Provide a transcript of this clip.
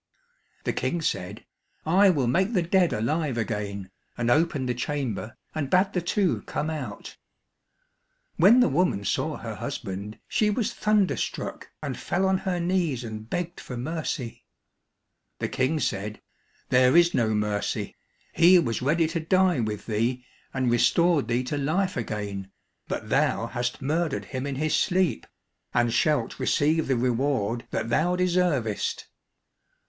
The King said, "I will make the dead alive again," and opened the chamber, and bade the two come out. When the woman saw her husband, she was thunderstruck, and fell on her knees and begged for mercy. The King said, "There is no mercy. He was ready to die with thee and restored thee to life again, but thou hast murdered him in his sleep, and shalt receive the reward that thou deservest."